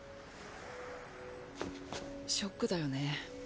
ショックだよね。